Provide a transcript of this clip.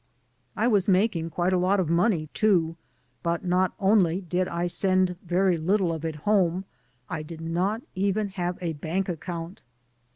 I was making quite a lot of money, too, but not only did I send very little of it home, I did not even have a bank account.